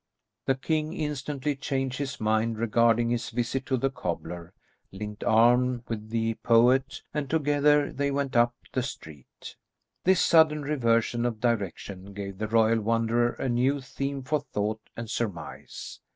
The king instantly changed his mind regarding his visit to the cobbler, linked arm with the poet, and together they went up the street. This sudden reversion of direction gave the royal wanderer a new theme for thought and surmise.